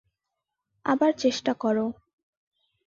আবার চেষ্টা করো।